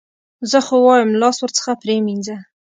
زه خو وایم لاس ورڅخه پرې مینځه.